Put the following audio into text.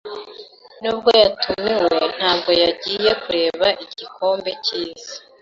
Nubwo yatumiwe, ntabwo yagiye kureba igikombe cyisi.